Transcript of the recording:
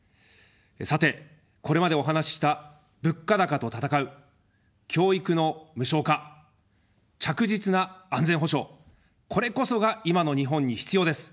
さて、これまでお話しした、物価高と戦う、教育の無償化、着実な安全保障、これこそが今の日本に必要です。